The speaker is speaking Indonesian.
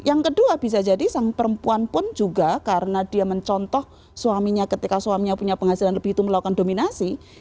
yang kedua bisa jadi sang perempuan pun juga karena dia mencontoh suaminya ketika suaminya punya penghasilan lebih itu melakukan dominasi